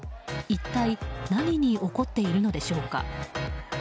一体何に怒っているのでしょうか。